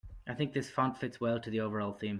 I think this font fits well to the overall theme.